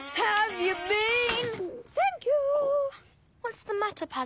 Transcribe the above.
「サンキュー」